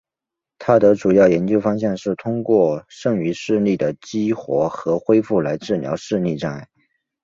他的主要研究方向是通过对剩余视力的激活和恢复来治疗视力障碍。